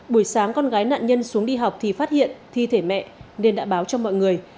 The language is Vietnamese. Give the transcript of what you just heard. buổi sáng con gái nạn nhân xuống đi học thì phát hiện thi thể mẹ nên đã báo cho mọi người